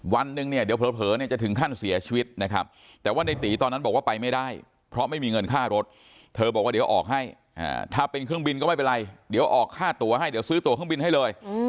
วันหนึ่งเนี่ยเดี๋ยวเผลอเนี่ยจะถึงขั้นเสียชีวิตนะครับแต่ว่าในตีตอนนั้นบอกว่าไปไม่ได้เพราะไม่มีเงินค่ารถเธอบอกว่าเดี๋ยวออกให้ถ้าเป็นเครื่องบินก็ไม่เป็นไรเดี๋ยวออกค่าตัวให้เดี๋ยวซื้อตัวเครื่องบินให้เลย